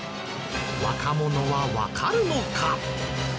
若者はわかるのか？